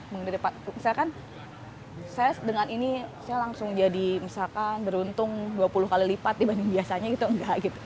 misalkan saya dengan ini langsung jadi misalkan beruntung dua puluh kali lipat dibanding biasanya gitu enggak gitu